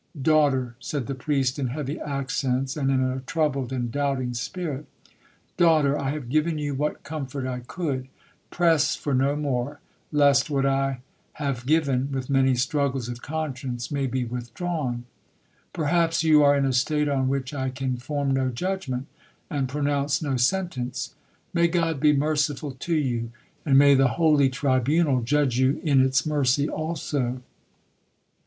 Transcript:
'—'Daughter,' said the priest in heavy accents, and in a troubled and doubting spirit, 'Daughter,—I have given you what comfort I could—press for no more, lest what I have given (with many struggles of conscience) may be withdrawn. Perhaps you are in a state on which I can form no judgment, and pronounce no sentence. May God be merciful to you, and may the holy tribunal judge you in its mercy also.'